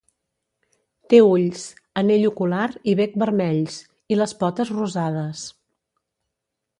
Té ulls, anell ocular i bec vermells, i les potes rosades.